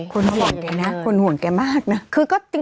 คุณห่วงเจ๋งเองนะคนน่ะ